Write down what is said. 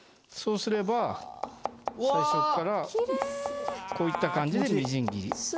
そうすれば最初からこういった感じでみじん切り。